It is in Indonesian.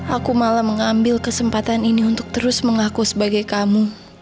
aku malah mengambil kesempatan ini untuk terus mengaku sebagai kamu